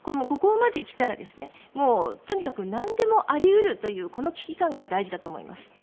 ここまできたらとにかく何でもあり得るという危機感が大事だと思います。